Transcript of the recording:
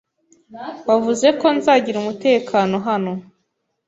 Wavuze ko nzagira umutekano hano.